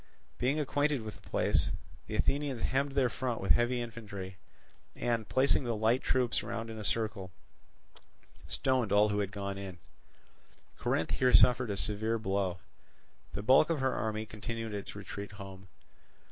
Being acquainted with the place, the Athenians hemmed their front with heavy infantry and, placing the light troops round in a circle, stoned all who had gone in. Corinth here suffered a severe blow. The bulk of her army continued its retreat home.